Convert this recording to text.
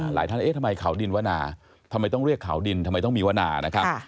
หลายท่านเอ๊ะทำไมเขาดินวนาทำไมต้องเรียกเขาดินทำไมต้องมีวนานะครับ